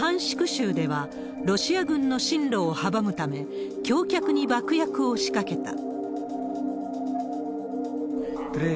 州では、ロシア軍の進路を阻むため、橋脚に爆薬を仕掛けた。